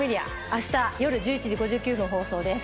あした夜１１時５９分放送です。